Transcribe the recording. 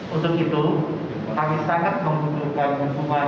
untuk itu kami sangat membutuhkan hukuman dari seluruh pokok dan bangsa